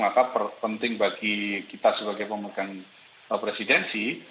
maka penting bagi kita sebagai pemegang presidensi